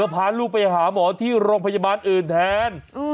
พาลูกไปหาหมอที่โรงพยาบาลอื่นแทน